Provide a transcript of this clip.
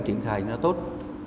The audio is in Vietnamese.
điện khai nó tốt